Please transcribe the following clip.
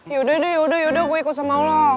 yaudah deh yaudah yaudah gue ikut sama lo